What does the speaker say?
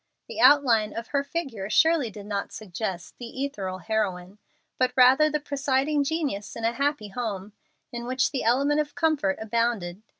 The outline of her figure surely did not suggest the "ethereal heroine," but rather the presiding genius in a happy home, in which the element of comfort abounded.